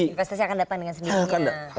investasi akan dapat dengan sendirinya